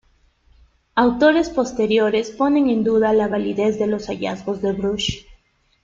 Autores posteriores ponen en duda la validez de los hallazgos de Brush.